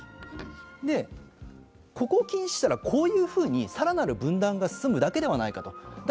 ここを禁止したら、こういうふうに更なる分断が進むだけじゃないかと。